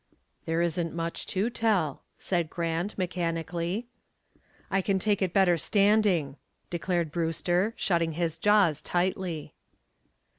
"There isn't much to tell," said Grant, mechanically. "I can take it better standing," declared Brewster, shutting his jaws tightly.